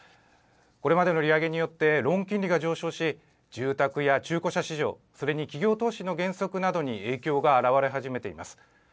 これまでの利上げによって、ローン金利が上昇し、住宅や中古車市場、それに企業投資の減速などに影響が現れ始めています。